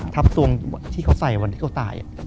ทับสวงที่เค้าใส่วันที่เค้าตาย